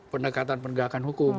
pendekatan penegakan hukum